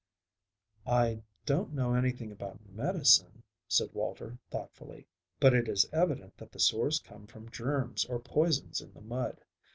"I don't know anything about medicine," said Walter thoughtfully, "but it is evident that the sores come from germs or poisons in the mud.